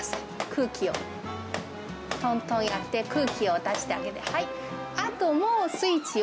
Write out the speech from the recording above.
空気を、とんとんやって、空気を出してあげて。